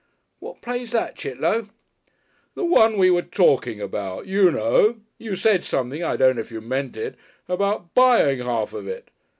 "What play's that, Chit'low?" "The one we were talking about. You know. You said something I don't know if you meant it about buying half of it.